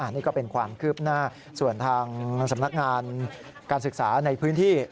นี่ก็เป็นความคืบหน้าส่วนทางสำนักงานการศึกษาในพื้นที่